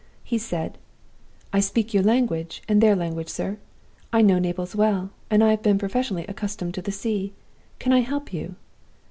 He said, 'I speak your language and their language, sir. I know Naples well; and I have been professionally accustomed to the sea. Can I help you?